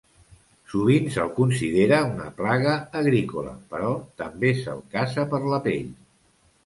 Sovint se'l considera una plaga agrícola, però també se'l caça per la pell.